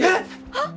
あっ！